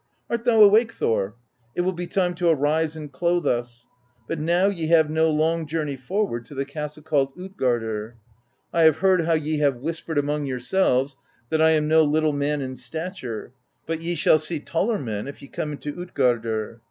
Art thou awake, Thor ? It will be time to arise and clothe us; but now ye have no long journey forward to the castle called tJtgardr. I have heard how ye have whispered among yourselves that I am no little man in stature; but ye shall see taller men, if ye come into Utgardr.